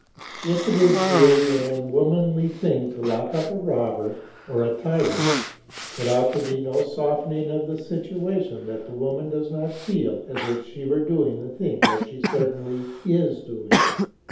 If it is really an unwomanly thing to lock up a robber or a tyrant, it ought to be no softening of the situation that the woman does not feel as if she were doing the thing that she certainly is doing.